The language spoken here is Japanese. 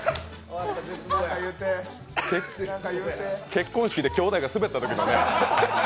結婚式できょうだいがスベったときのね。